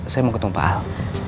saya mau ketemu pak ahok